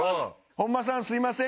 本間さんすみません！